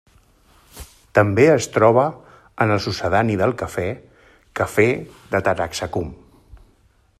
També es troba en el succedani del cafè, cafè de Taraxacum.